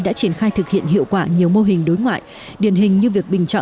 đã triển khai thực hiện hiệu quả nhiều mô hình đối ngoại